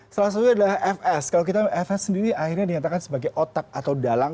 salah satunya adalah fs kalau kita fs sendiri akhirnya dinyatakan sebagai otak atau dalang